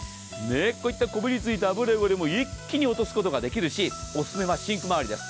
こういったこびりついた油汚れも一気に落とすことができるしおすすめはシンク周りです。